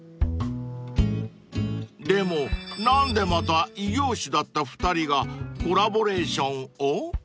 ［でも何でまた異業種だった２人がコラボレーションを？］